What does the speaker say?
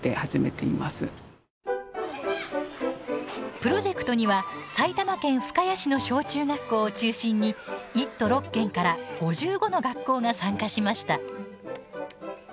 プロジェクトには埼玉県深谷市の小中学校を中心に１都６県から５５の学校が参加しました。